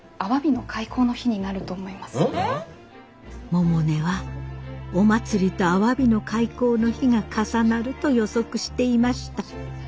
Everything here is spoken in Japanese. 百音はお祭りとアワビの開口の日が重なると予測していました。